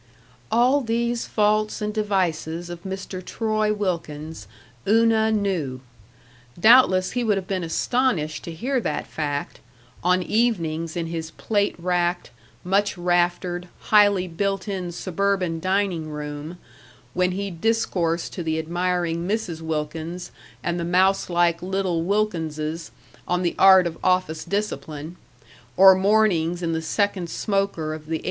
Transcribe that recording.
All these faults and devices of Mr. Troy Wilkins Una knew. Doubtless he would have been astonished to hear that fact, on evenings in his plate racked, much raftered, highly built in suburban dining room, when he discoursed to the admiring Mrs. Wilkins and the mouse like little Wilkinses on the art of office discipline; or mornings in the second smoker of the 8.